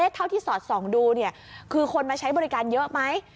เท่าที่สอดส่องดูคือคนมาใช้บริการเยอะไหม